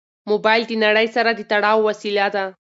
موبایل د نړۍ سره د تړاو وسیله ده.